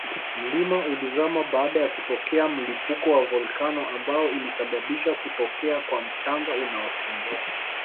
mlima ulizama baada ya kutokea mlipuko wa volcano ambayo ilisabisha kutokea kwa mchanga unaotembea